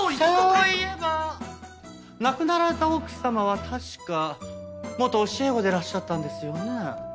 そういえば亡くなられた奥様は確か元教え子でいらっしゃったんですよね？